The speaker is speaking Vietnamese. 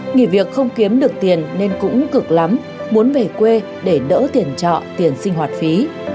nghỉ việc không kiếm được tiền nên cũng cực lắm muốn về quê để đỡ tiền trọ tiền sinh hoạt phí